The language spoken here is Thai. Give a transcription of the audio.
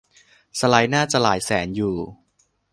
สไลด์น่าจะหลายแสนอยู่